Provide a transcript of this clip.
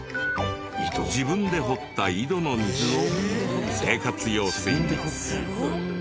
自分で掘った井戸の水を生活用水に。